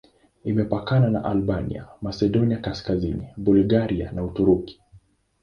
Imepakana na Albania, Masedonia Kaskazini, Bulgaria na Uturuki.